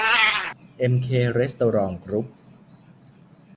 เอ็มเค เรสโตรองต์ กรุ๊ป